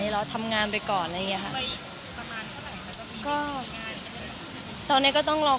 มีปิดฟงปิดไฟแล้วถือเค้กขึ้นมา